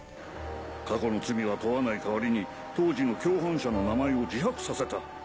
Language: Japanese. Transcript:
過去の罪は問わない代わりに当時の共犯者の名前を自白させた。